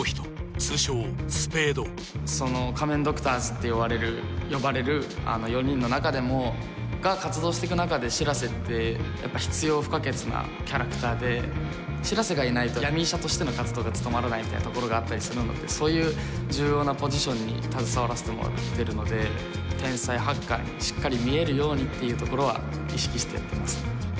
通称スペードその仮面ドクターズって呼ばれる４人の中でもが活動してく中で白瀬ってやっぱ必要不可欠なキャラクターで白瀬がいないと闇医者としての活動が務まらないみたいなところがあったりするのでそういう重要なポジションに携わらせてもらってるので天才ハッカーにしっかり見えるようにっていうところは意識してやってますね